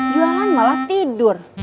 jualan malah tidur